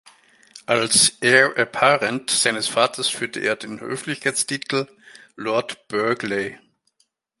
Als Heir apparent seines Vaters führte er den Höflichkeitstitel "Lord Burghley".